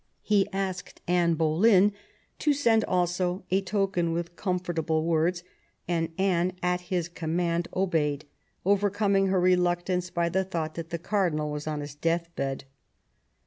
He asked Anne Boleyn to send also a " token with comfortable words," and Anne at his command obeyed, overcoming her reluctance by the thought that the cardinal was on his deathbed.